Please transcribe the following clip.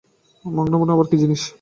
মমোনগা আবার কী জিনিস?